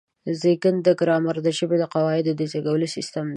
زېږنده ګرامر د ژبې د قواعدو د زېږولو سیستم دی.